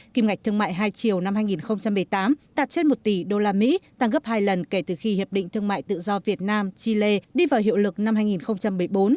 kim ngạch thương mại hai triệu năm hai nghìn một mươi tám đạt trên một tỷ usd tăng gấp hai lần kể từ khi hiệp định thương mại tự do việt nam chile đi vào hiệu lực năm hai nghìn một mươi bốn